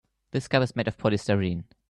This cup is made of polystyrene.